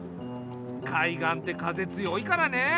海岸って風強いからね。